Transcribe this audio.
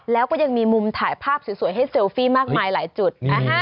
แล้วก็ยังมีมุมถ่ายภาพสวยให้เซลฟี่มากมายหลายจุด